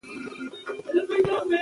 مې د زړه په وينو درس وويل.